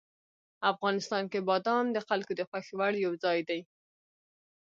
افغانستان کې بادام د خلکو د خوښې وړ یو ځای دی.